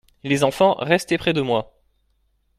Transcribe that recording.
Les enfants, restez près de moi.